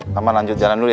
pak man lanjut jalan dulu ya